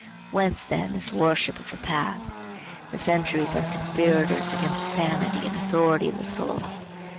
Whence then this worship of the past? The centuries are conspirators against the sanity and authority of the soul.